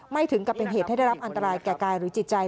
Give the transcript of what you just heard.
ถึงกับเป็นเหตุให้ได้รับอันตรายแก่กายหรือจิตใจ